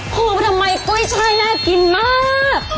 คุณบอกทำไมกุ้ยช่ายหน้ากินมาก